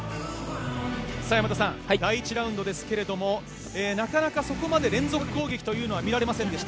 山田さん、第１ラウンドですがなかなかそこまで連続攻撃というのは見られませんでした。